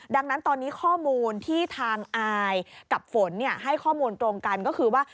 ดังนั้นตอนนี้ข้อมูลที่ทางอายกับฝนให้ข้อมูลตรงกันก็คือว่า